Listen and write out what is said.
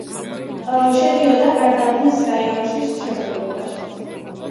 შედიოდა გარდაბნის რაიონის შემადგენლობაში.